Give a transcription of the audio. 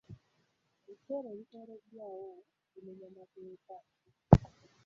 Ebisale ebiteereddwaawo bimenya mateeka.